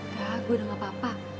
gak gue udah gapapa